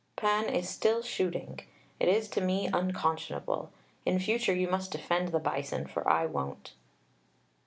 Pan is still shooting. It is to me unconscionable. In future you must defend the Bison, for I won't.